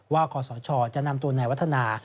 ว่าคอสชจะนำตัวนายวัฒนา